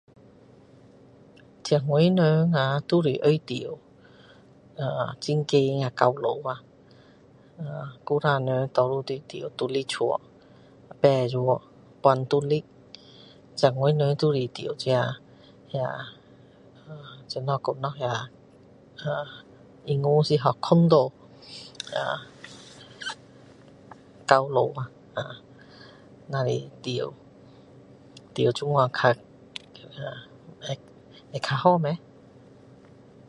现在的人呀都是很住很高的高楼以前的人多数是住独立屋排屋半独立现在的人都是住这个这个那个是怎样讲啦英文是叫condo 高楼呀啊只是住这样比较会比较好吗